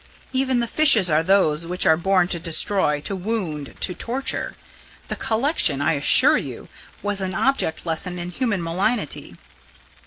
Even the fishes are those which are born to destroy, to wound, to torture. The collection, I assure you, was an object lesson in human malignity.